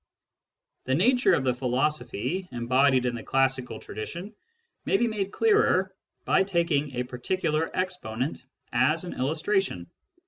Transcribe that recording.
The nature of the philosophy embodied in the classical tradition may be made clearer by taking a particular exponent as an illustration.